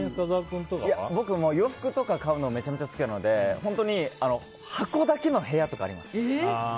僕、洋服とか買うのめちゃめちゃ好きなので箱だけの部屋とかあります。